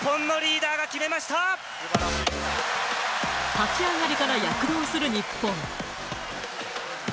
立ち上がりから躍動する日本。